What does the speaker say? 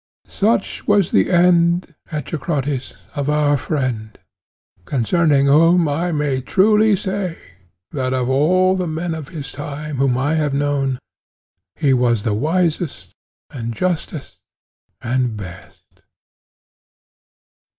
Such was the end, Echecrates, of our friend; concerning whom I may truly say, that of all the men of his time whom I have known, he was the wisest and justest and best.